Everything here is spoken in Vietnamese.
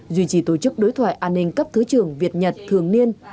duy trì tổ chức đối thoại an ninh cấp thứ trưởng việt nhật thường niên